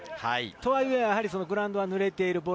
とはいえ、グラウンドは濡れている。